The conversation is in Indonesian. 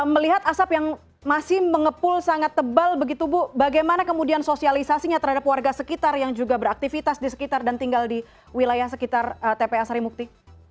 melihat asap yang masih mengepul sangat tebal begitu bu bagaimana kemudian sosialisasinya terhadap warga sekitar yang juga beraktivitas di sekitar dan tinggal di wilayah sekitar tpa sarimukti